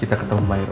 kita ketemu di bairro